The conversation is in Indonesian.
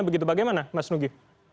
begitu bagaimana mas nugi